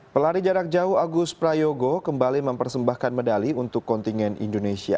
pelari jarak jauh agus prayogo kembali mempersembahkan medali untuk kontingen indonesia